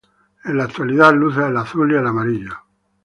En la actualidad luce el azul y el amarillo.